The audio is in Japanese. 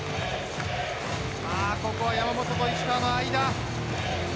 ここは山本と石川の間。